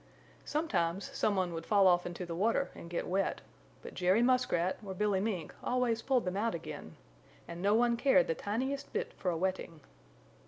Sometimes someone would fall off into the water and get wet, but Jerry Muskrat or Billy Mink always pulled them out again, and no one cared the tiniest bit for a wetting.